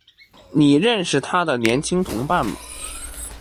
你认识她的年轻同伴吗？